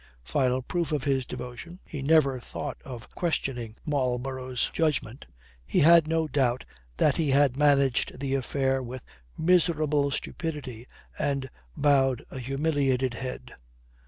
Final proof of his devotion he never thought of questioning Marlborough's judgment. He had no doubt that he had managed the affair with miserable stupidity, and bowed a humiliated head.